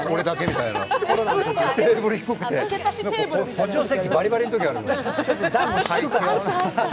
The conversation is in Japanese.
補助席バリバリのときある。